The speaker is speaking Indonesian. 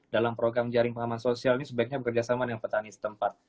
dalam program jaring pengaman sosial ini sebaiknya bekerjasama dengan petani setempat